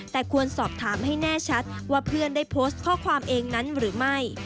แต่ควรสอบถามให้แน่ชัดว่าเพื่อนได้โพสต์ข้อความเองนั้นหรือไม่